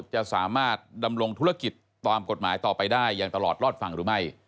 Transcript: จะสามารถดำรงธุรกิจตามกฎหมายต่อไปได้อย่างตลอดรอดฝั่งหรือไม่